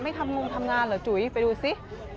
ทำงงทำงานเหรอจุ๋ยไปดูสิ